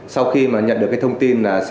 sau khi nhận được thông tin